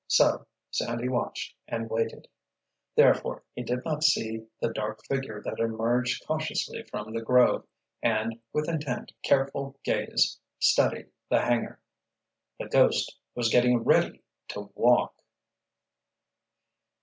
So Sandy watched and waited. Therefore he did not see the dark figure that emerged cautiously from the grove and, with intent, careful gaze, studied the hangar. The ghost was getting ready to walk!